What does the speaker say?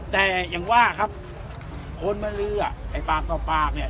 แต่อย่างว่าครับคนมาลือไอ้ปากต่อปากเนี่ย